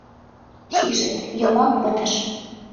Шижыт: йомак пытыш.